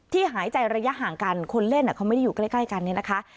หายใจระยะห่างกันคนเล่นเขาไม่ได้อยู่ใกล้กันเนี่ยนะคะ